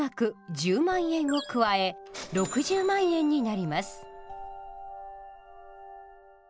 １０万円を加え６０万円になります。